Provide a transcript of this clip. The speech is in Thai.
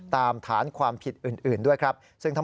ฐานความผิดอื่นด้วยครับ